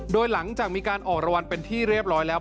โดยหลังจากมีการออกรางวัลเป็นที่เรียบร้อยแล้ว